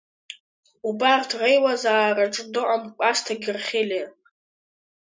Убарҭ реилазаараҿы дыҟан Кәасҭа Герхелиа.